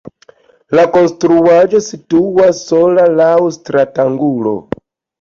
La konstruaĵo situas sola laŭ stratangulo.